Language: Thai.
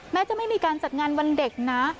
จะไม่มีการจัดงานวันเด็กนะ